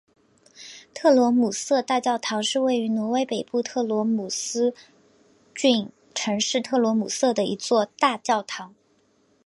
特罗姆瑟大教堂是位于挪威北部特罗姆斯郡城市特罗姆瑟的一座大教堂。